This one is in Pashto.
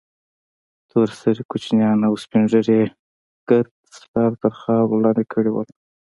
تور سرې کوچنيان او سپين ږيري يې ګرد سره تر خارور لاندې کړي وو.